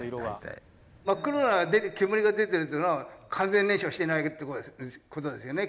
真っ黒な煙が出てるっていうのは完全燃焼してないってことですよね